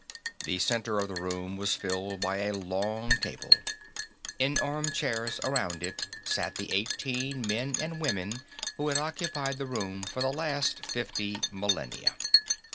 The center of the room was filled by a long table; in armchairs around it sat the eighteen men and women who had occupied the room for the last fifty millennia.